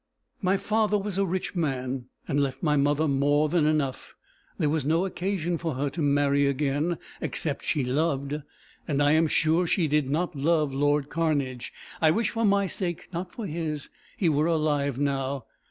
"My father was a rich man, and left my mother more than enough; there was no occasion for her to marry again, except she loved, and I am sure she did not love lord Cairnedge. I wish, for my sake, not for his, he were alive now.